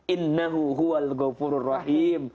innahu huwal ghafurur rahim